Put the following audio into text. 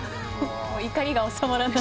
怒りが収まらない。